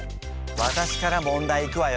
私から問題いくわよ。